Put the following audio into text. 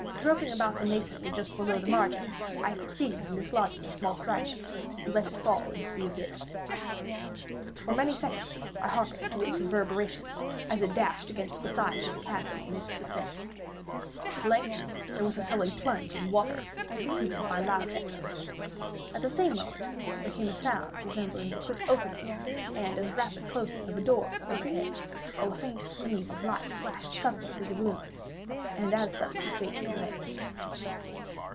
Groping about the masonry just below the margin, I succeeded in dislodging a small fragment, and let it fall into the abyss. For many seconds I hearkened to its reverberations as it dashed against the sides of the chasm in its descent; at length there was a sullen plunge into water, succeeded by loud echoes. At the same moment there came a sound resembling the quick opening, and as rapid closing of a door overhead, while a faint gleam of light flashed suddenly through the gloom, and as suddenly faded away.